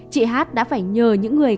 chị hát đã phải nhờ những người